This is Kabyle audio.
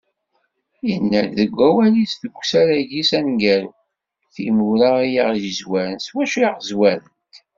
Yenna- deg wawal-is deg usarag-is aneggaru: Timura i aɣ-yezwaren, s wacu i aɣ-zwarent?